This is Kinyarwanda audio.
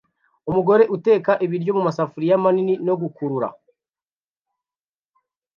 umugore uteka ibiryo mumasafuri manini no gukurura